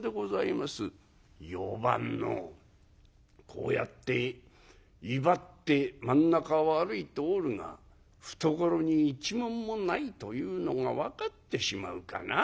こうやって威張って真ん中を歩いておるが懐に一文もないというのが分かってしまうかな。